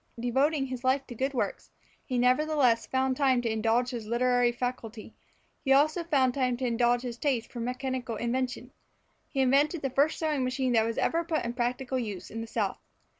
Devoting his life to good works, he nevertheless found time to indulge his literary faculty; he also found time to indulge his taste for mechanical invention. He invented the first sewing machine that was ever put in practical use in the South.